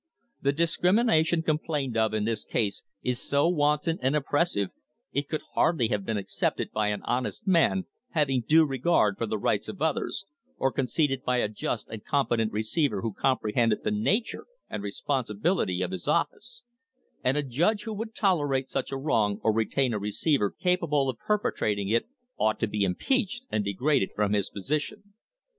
The discrimination complained of in this case is so wanton and oppres sive it could hardly have been accepted by an honest man having due regard for the rights of others, or conceded by a just and competent receiver who comprehended the nature and responsibility of his office; and a judge who would tolerate such a wrong or retain a receiver capable of perpetrating it ought to be impeached and degraded from his position.